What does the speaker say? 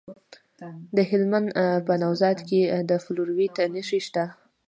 د هلمند په نوزاد کې د فلورایټ نښې شته.